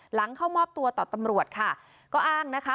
เข้ามอบตัวต่อตำรวจค่ะก็อ้างนะคะ